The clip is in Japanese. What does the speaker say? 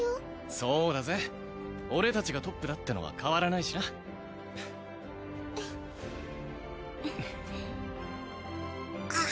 そうだぜ俺達がトップだってのは変わらないしなくっ